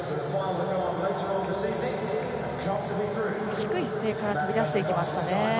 低い姿勢から飛び出していきました。